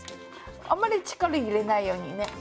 あんまり力入れないようにね。